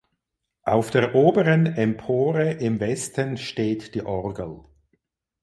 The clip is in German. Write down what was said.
Auf der oberen Empore im Westen steht die Orgel.